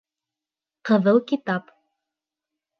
Ҡыҙыл китап.